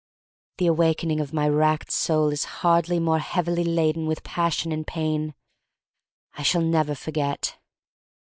The awakening of my racked soul is hardly more heavily laden with passion and pain. I shall never forget.